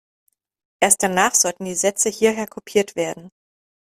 Erst danach sollten die Sätze hierher kopiert werden.